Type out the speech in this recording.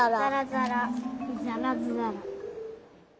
ざらざら。